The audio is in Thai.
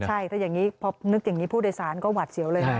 ใช่ถ้าอย่างนี้พอนึกอย่างนี้ผู้โดยสารก็หวัดเสียวเลยนะ